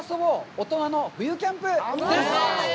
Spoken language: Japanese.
大人の冬キャンプ！」。